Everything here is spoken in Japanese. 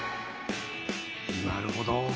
なるほど。